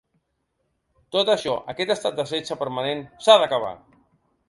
Tot això, aquest estat de setge permanent, s’ha d’acabar.